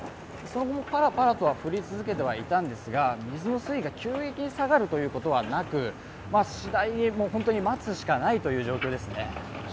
その後、パラパラとは降り続けていたんですが、水の水位が急激に下がるということはなく、待つしかないという状況ですね。